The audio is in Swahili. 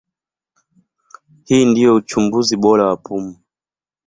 Hii ndio uchunguzi bora wa pumu.